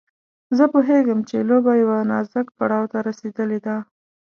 زه پوهېږم چې لوبه يوه نازک پړاو ته رسېدلې ده.